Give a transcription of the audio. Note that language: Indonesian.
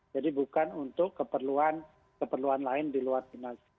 jadi bukan untuk keperluan lain di luar dinas